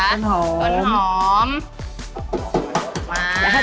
ดนต้องชอบ